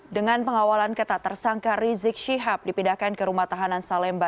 dengan pengawalan ketat tersangka rizik syihab dipindahkan ke rumah tahanan salemba